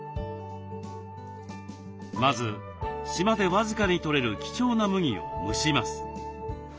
まず島で僅かにとれる貴重な麦を蒸します。